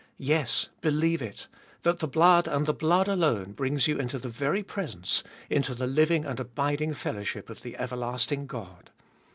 Yes, believe it, that the blood and the blood alone, brings you into the very presence, into the living and abiding fellowship of the everlasting God.